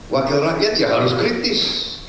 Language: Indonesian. wakil rakyat ya harus kritis